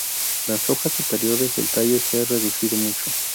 Las hojas superiores del tallo se ha reducido mucho.